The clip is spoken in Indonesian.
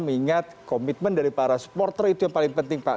mengingat komitmen dari para supporter itu yang paling penting pak